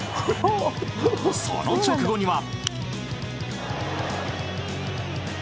その直後には。